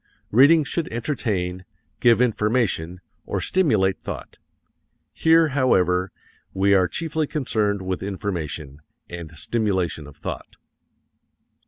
Reading should entertain, give information, or stimulate thought. Here, however, we are chiefly concerned with information, and stimulation of thought.